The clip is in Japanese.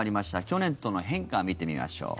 去年との変化を見てみましょう。